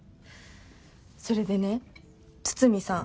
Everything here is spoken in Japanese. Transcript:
それでね筒見さん